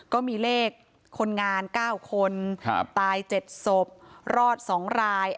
ก็มีเลขคนงาน๙คนตาย๗ศพรอด๒ราย